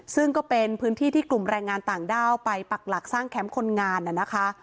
ซึ่งก็เป็นพื้นที่ที่กลุ่มแรงงานต่างด้าวไปปักหลักสร้างแคมป์คนงานน่ะนะคะ